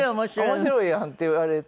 「面白いやん」って言われて。